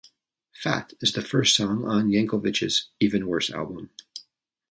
"Fat" is the first song on Yankovic's "Even Worse" album.